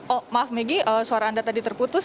oh maaf megi suara anda tadi terputus